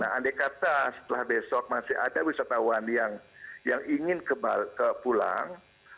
nah andai kata setelah besok masih ada wisatawan yang ingin pulang